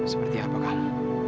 seperti apa kamu